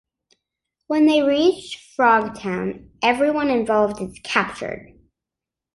When they reach Frogtown, everyone involved is captured.